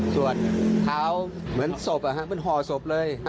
ส่วนเท้าเหมือนศพเหมือนห่อศพเลย